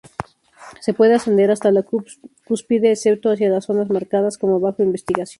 Se puede ascender hasta la cúspide, excepto hacia las zonas marcadas como "bajo investigación".